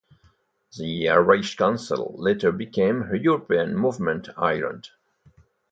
The Irish Council later became European Movement Ireland.